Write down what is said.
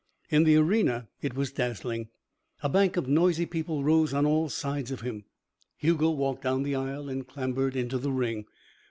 In the arena it was dazzling. A bank of noisy people rose on all sides of him. Hugo walked down the aisle and clambered into the ring.